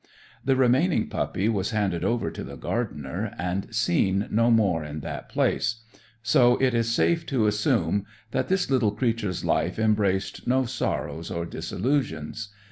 The remaining puppy was handed over to the gardener and seen no more in that place; so it is safe to assume that this little creature's life embraced no sorrows or disillusions.